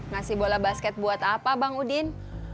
ngasih bola basket buat apa bang udin